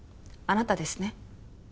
あなたですね？